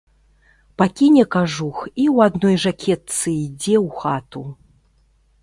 Пакіне кажух і ў адной жакетцы ідзе ў хату.